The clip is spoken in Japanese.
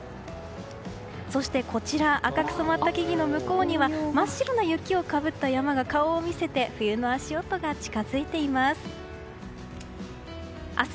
そして、こちら赤く染まった木々の向こうには真っ白な雪をかぶった山が顔を見せて冬の足音が近づいています。